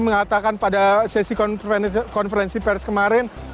mengatakan pada sesi konferensi pers kemarin